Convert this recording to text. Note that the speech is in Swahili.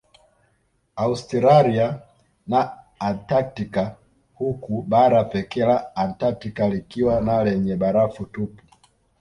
Austiralia na Antaktika huku bara pekee la Antaktika likiwa ni lenye barafu tupu